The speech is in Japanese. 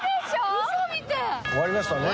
終わりましたね。